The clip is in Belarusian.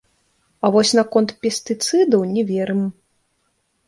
А вось наконт пестыцыдаў не верым.